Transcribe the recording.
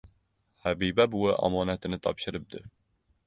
— Habiba buvi omonatini topshiribdi.